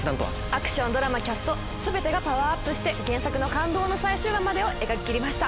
アクションドラマキャスト全てがパワーアップして原作の感動の最終話までを描ききりました。